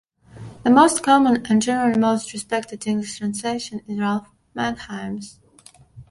The most common, and generally most respected English translation is Ralph Manheim's.